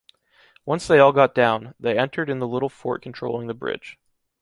Once they all got down, they entered in the little fort controlling the bridge.